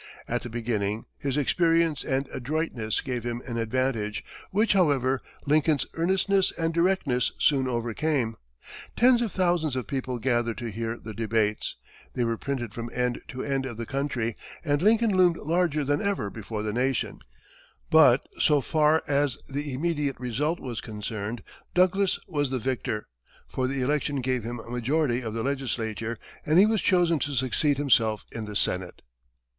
At the beginning, his experience and adroitness gave him an advantage, which, however, Lincoln's earnestness and directness soon overcame. Tens of thousands of people gathered to hear the debates, they were printed from end to end of the country, and Lincoln loomed larger than ever before the nation; but so far as the immediate result was concerned, Douglas was the victor, for the election gave him a majority of the legislature, and he was chosen to succeed himself in the Senate.